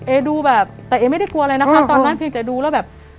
ดูแบบแต่เอไม่ได้กลัวอะไรนะคะตอนนั้นเพียงแต่ดูแล้วแบบ